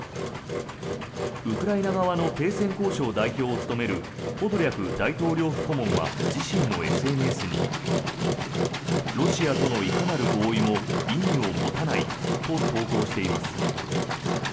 ウクライナ側の停戦交渉代表を務めるポドリャク大統領府顧問は自身のＳＮＳにロシアとのいかなる合意も意味を持たないと投稿しています。